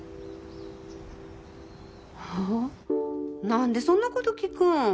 何でそんなこと聞くん？